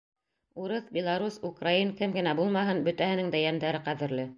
Урыҫ, белорус, украин — кем генә булмаһын, бөтәһенең дә йәндәре ҡәҙерле.